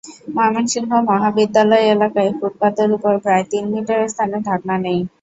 ময়মনসিংহ মহাবিদ্যালয় এলাকায় ফুটপাতের ওপর প্রায় তিন মিটার স্থানে ঢাকনা নেই।